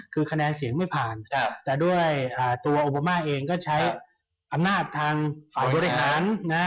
คือคะแนนเสียงไม่ผ่านแต่ด้วยตัวโอบามาเองก็ใช้อำนาจทางฝ่ายบริหารนะ